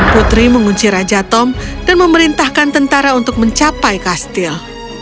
putri mengunci raja tom dan memerintahkan tentara untuk mencapai kastil